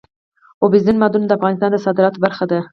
اوبزین معدنونه د افغانستان د صادراتو برخه ده.